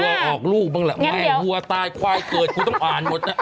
ออกลูกบ้างแหละแม่วัวตายควายเกิดกูต้องอ่านหมดนะ